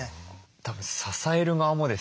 たぶん支える側もですね